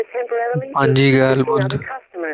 مانجي ڳالھه ٻڌ